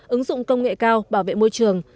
ứng dụng công nghệ cao bảo vệ môi trường